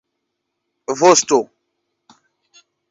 vosto